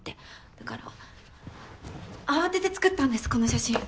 だから慌てて作ったんですこの写真。